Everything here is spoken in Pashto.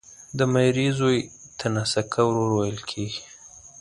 د ميرې زوی ته ناسکه ورور ويل کیږي